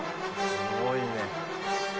すごいね。